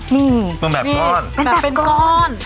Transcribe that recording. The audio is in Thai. นี่มันแบบก้อน